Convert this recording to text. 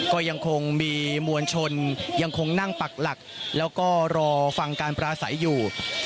ก็ยังคงมีมวลชนยังคงนั่งปักหลักแล้วก็รอฟังการปราศัยอยู่